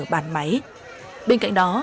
bản máy bên cạnh đó